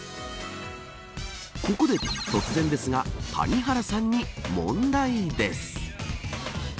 ここで突然ですが谷原さんに問題です。